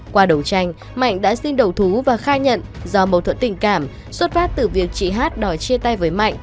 qua đấu tranh mạnh đã xin đầu thú và khai nhận do mâu thuẫn tình cảm xuất phát từ việc chị hát đòi chia tay với mạnh